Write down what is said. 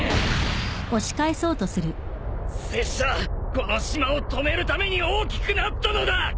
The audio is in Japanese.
拙者この島を止めるために大きくなったのだ！